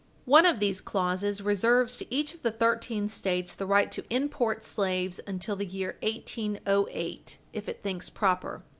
One of these clauses reserves to each of the thirteen States the right to import slaves until the year 1808 if it thinks proper.